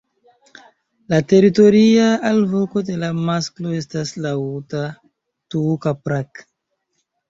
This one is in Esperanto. La teritoria alvoko de la masklo estas laŭta "tuuk-a-prrak".